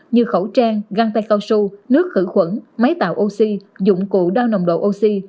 như khẩu trang găng tay cao su nước khử khuẩn máy tạo oxy dụng cụ đo nồng độ oxy